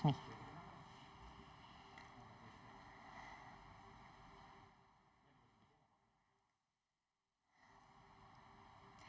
pemilikan kapal yang telah dihilangkan adalah sebelas orang